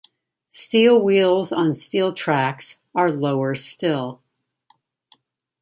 Steel wheels on steel tracks are lower still.